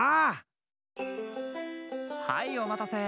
はいおまたせ！